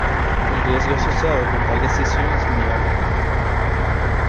El riesgo asociado con tal decisión es muy alto.